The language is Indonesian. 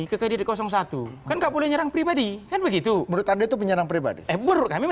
ke kd satu kan nggak boleh nyerang pribadi kan begitu menurut anda itu penyerang pribadi eh buruk kami